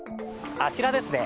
あちらですね。